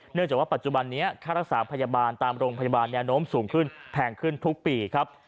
จากว่าปัจจุบันนี้ค่ารักษาพยาบาลตามโรงพยาบาลแนวโน้มสูงขึ้นแพงขึ้นทุกปีครับ